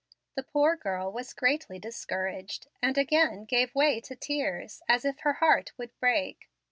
The poor girl was greatly discouraged, and again gave way to tears, as if her heart would break.